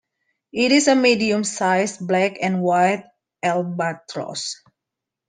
It is a medium-sized black and white albatross.